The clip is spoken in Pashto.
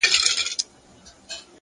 اراده د ستونزو تر ټولو لنډه لاره لنډوي.!